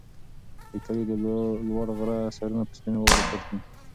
د کلي د لوړ غره سرونه په سپینو واورو پټ دي.